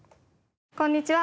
こんにちは。